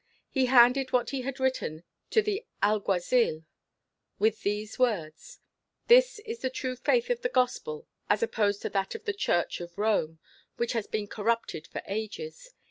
He handed what he had written to the Alguazil, with these words: 'This is the true faith of the gospel, as opposed to that of the Church of Rome, which has been corrupted for ages.